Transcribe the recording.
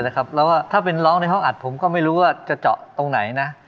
แล้วถ้าเป็นร้องในห้องอัดผมก็ไม่รู้ว่าจะเจาะตรงไหนนะ